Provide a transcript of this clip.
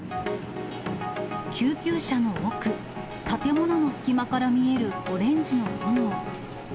救急車の奥、建物の隙間から見えるオレンジの炎。